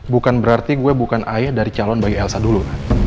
bukan berarti gue bukan ayah dari calon bayi elsa dulu